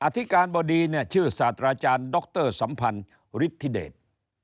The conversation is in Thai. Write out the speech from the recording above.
อธิการบดีชื่อศาสตราจารย์ด็อกเตอร์สัมพันธ์ฤทธิเดช